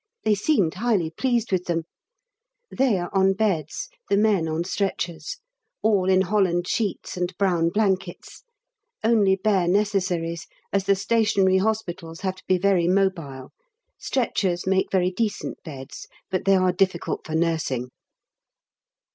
They seemed highly pleased with them; they are on beds, the men on stretchers; all in holland sheets and brown blankets; only bare necessaries, as the Stationary Hospitals have to be very mobile: stretchers make very decent beds, but they are difficult for nursing.